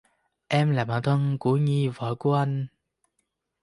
Em là bạn thân của Nhi vợ của anh